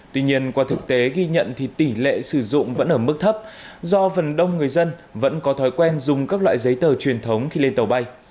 tuy nhiên qua thực tế ghi nhận thì tỷ lệ sử dụng vẫn ở mức thấp do phần đông người dân vẫn có thói quen dùng các loại giấy tờ truyền thống khi lên tàu bay